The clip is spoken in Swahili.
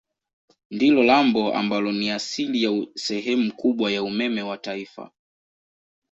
Ndilo lambo ambalo ni asili ya sehemu kubwa ya umeme wa taifa.